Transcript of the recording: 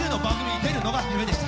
「出るのが夢でした」